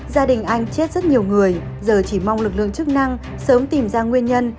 gia đình anh chết rất nhiều người giờ chỉ mong lực lượng chức năng sớm tìm ra nguyên nhân